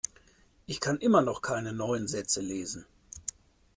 Ich kann immer noch keine neuen Sätze lesen.